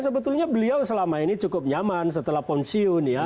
sebetulnya beliau selama ini cukup nyaman setelah pensiun ya